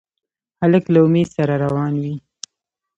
هلک له امید سره روان وي.